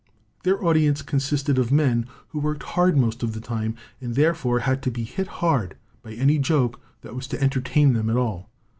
Their audience consisted of men who worked hard most of the time, and therefore had to be hit hard by any joke that was to entertain them at all.